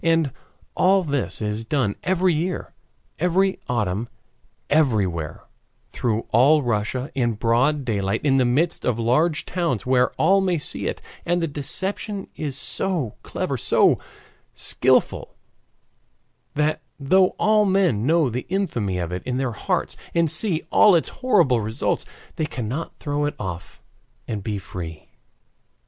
And all this is done every year, every autumn, everywhere, through all Russia in broad daylight in the midst of large towns, where all may see it, and the deception is so clever, so skillful, that though all men know the infamy of it in their hearts, and see all its horrible results, they cannot throw it off and be free.